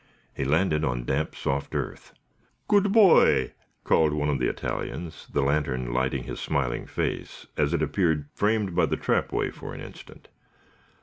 He landed on damp, soft earth. "Good boy!" called one of the Italians, the lantern lighting his smiling face as it appeared framed by the trapway for an instant.